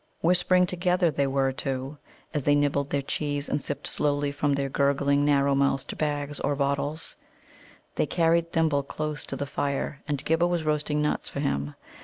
Whispering together they were, too, as they nibbled their cheese and sipped slowly from their gurgling, narrow mouthed bags or bottles. They had carried Thimble close to the fire, and Ghibba was roasting nuts for him.